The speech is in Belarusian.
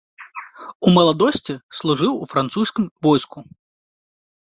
У маладосці служыў у французскім войску.